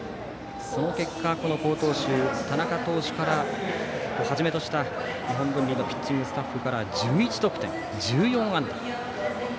その結果、好投手の田中投手をはじめとした日本文理のピッチングスタッフから１１得点、１４安打。